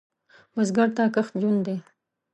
بزګر ته کښت ژوند دی